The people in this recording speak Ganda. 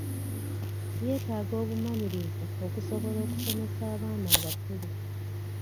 Yeetaaga obumanyirivu okusobola okusomesa abaana abakulu.